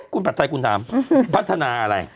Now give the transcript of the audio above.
กูปัดไทยกูถามพัฒนาอะไร